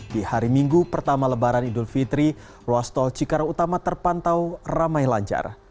di hari minggu pertama lebaran idul fitri ruas tol cikarang utama terpantau ramai lancar